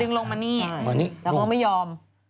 ดึงลงมานี้แล้วก็ไม่ยอม